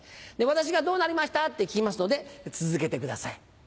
私が「どうなりました？」って聞きますので続けてください。